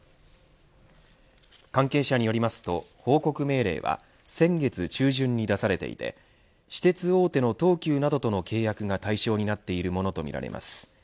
関係者によりますと報告命令は先月中旬に出されていて私鉄大手の東急などとの契約が対象になっているものとみられます。